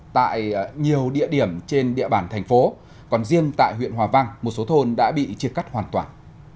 tại nhiều địa điểm trên địa bàn thành phố còn riêng tại huyện hòa vang một số thôn đã bị chia cắt hoàn toàn